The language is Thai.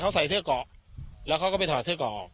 เขาใส่เสื้อเกาะแล้วเขาก็ไปถอดเสื้อเกาะ